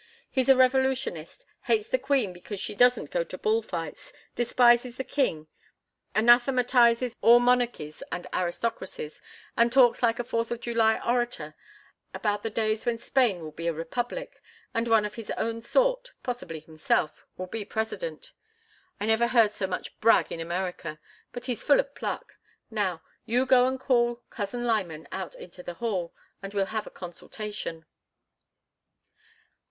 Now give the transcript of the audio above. He's a revolutionist, hates the queen because she doesn't go to bull fights, despises the king, anathematizes all monarchies and aristocracies, and talks like a Fourth of July orator about the days when Spain will be a republic, and one of his own sort—possibly himself—will be president. I never heard so much brag in America. But he's full of pluck. Now, you go and call Cousin Lyman out into the hall, and we'll have a consultation."